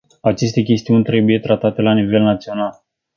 Aceste chestiuni trebuie tratate la nivel național.